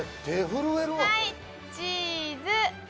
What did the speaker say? はい、チーズ！